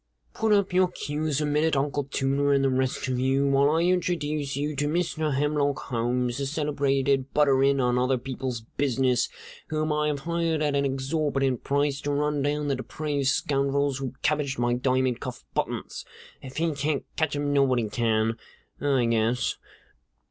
"Put up your cues a minute, Uncle Tooter and the rest of you, while I introduce you to Mr. Hemlock Holmes, the celebrated butter in on other people's business, whom I have hired at an exorbitant price to run down the depraved scoundrels who cabbaged my diamond cuff buttons. If he can't catch 'em, nobody can, I guess.